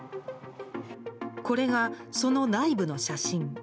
これが、その内部の写真。